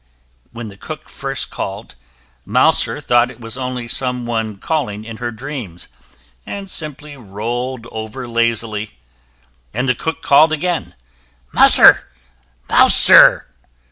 When the cook first called, Mouser thought it was only some one calling in her dreams, and simply rolled over lazily; and the cook called again, "Mouser, Mouser!"